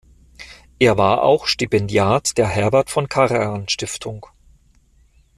Er war auch Stipendiat der Herbert von Karajan-Stiftung.